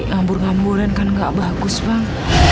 ngambur ngamburan kan gak bagus bang